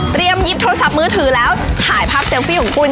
หยิบโทรศัพท์มือถือแล้วถ่ายภาพเซลฟี่ของคุณ